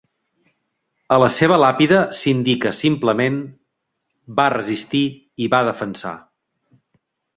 A la seva làpida s'indica simplement: va resistir i va defensar.